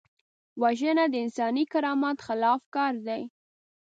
وژنه د انساني کرامت خلاف کار دی